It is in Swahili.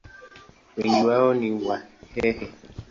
Wengi wao ni Wahehe.